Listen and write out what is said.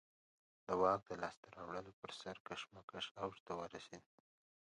د واک لاسته راوړلو پر سر کشمکش اوج ته ورسېد